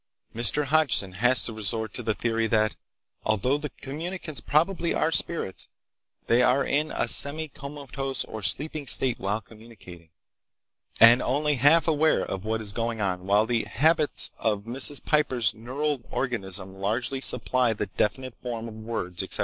Mr. Hodgson has to resort to the theory that, although the communicants probably are spirits, they are in a semi comatose or sleeping state while communicating, and only half aware of what is going on, while the habits of Mrs. Piper's neural organism largely supply the definite form of words, etc.